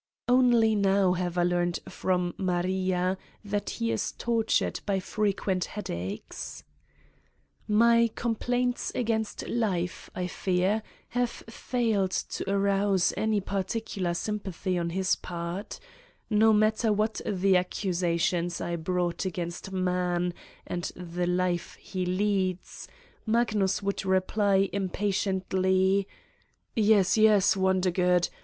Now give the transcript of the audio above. Only now have I learned from Maria that he is tortured by frequent headaches. My complaints against life, I fear, have failed to arouse any particular sympathy on his part: No matter what the accusations I brought against man and the life he leads, Magnus would reply impatiently : "Yes, yes, Wondergood.